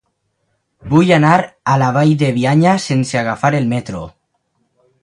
Vull anar a la Vall de Bianya sense agafar el metro.